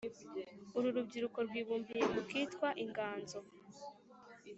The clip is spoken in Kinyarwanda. uru rubyiruko rwibumbiye mu kitwa inganzo